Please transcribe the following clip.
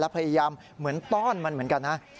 พยายามเหมือนต้อนมันเหมือนกันนะ